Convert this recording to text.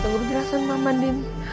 tunggu penjelasan mama andin